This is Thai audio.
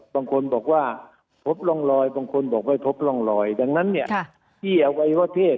บางคนบอกว่าพบร่องรอยบางคนบอกว่าพบร่องรอยดังนั้นเนี่ยที่อวัยวะเพศ